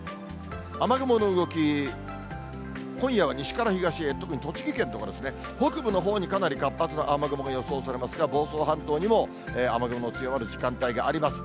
雨雲の動き、今夜は西から東へ、特に栃木県とか北部のほうにかなり活発な雨雲が予想されますが、房総半島にも雨雲の強まる時間帯があります。